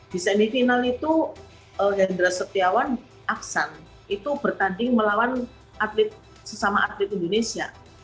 di semifinal itu hendra setiawan aksan itu bertanding melawan atlet sesama atlet indonesia